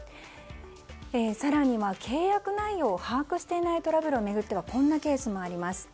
更には、契約内容を把握していないトラブルを巡ってはこんなケースもあります。